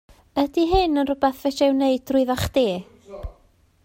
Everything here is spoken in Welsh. Ydi hyn yn rhywbeth fedra i wneud drwyddo chdi?